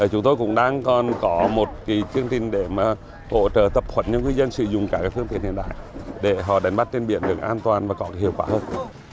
chúng tôi cũng đang còn có một cái chương trình để mà hỗ trợ tập huẩn cho ngư dân sử dụng cả cái phương tiện hiện đại để họ đánh bắt trên biển được an toàn và có cái hiệu quả hơn